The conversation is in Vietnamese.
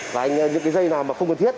và những cái dây nào mà không cần thiết